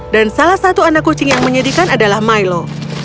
dan salah satu anak kucing yang menyedihkan adalah milo